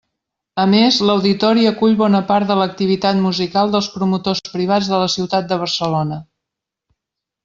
A més, l'Auditori acull bona part de l'activitat musical dels promotors privats de la ciutat de Barcelona.